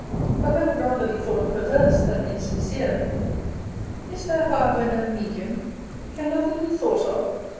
But I would rather be thought perverse than insincere. Is there, however, no medium? Can nothing be thought of?